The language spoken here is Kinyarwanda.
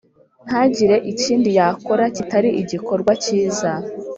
ntagire ikindi yakora, kitari igikorwa cyiza.